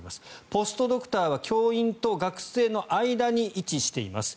ポストドクターは教員と学生の間に位置しています